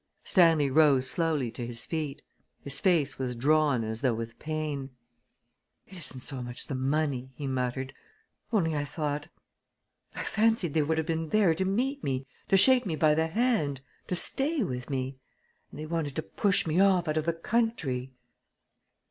Stanley rose slowly to his feet. His face was drawn as though with pain. "It isn't so much the money," he muttered, "only I thought I fancied they would have been there to meet me, to shake me by the hand, to stay with me! And they wanted to push me off out of the country!"